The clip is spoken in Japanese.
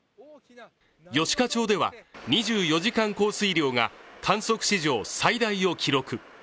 吉賀町では、２４時間降水量が観測史上最大を記録。